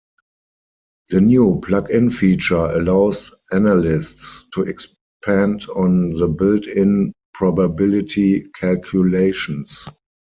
The new "plug-in" feature allows analysts to expand on the built-in probability calculations.